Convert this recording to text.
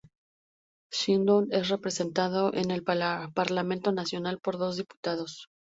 Swindon es representado en el Parlamento Nacional por dos diputados.